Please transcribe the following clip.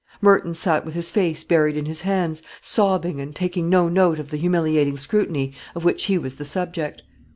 Merton sate with his face buried in his hands, sobbing, and taking no note of the humiliating scrutiny of which he was the subject.